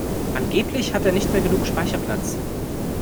Angeblich hat er nicht mehr genug Speicherplatz.